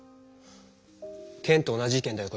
ケンと同じ意見だよ